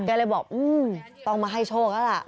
ก็เลยบอกต้องมาให้โชคแล้วล่ะ